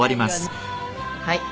はい。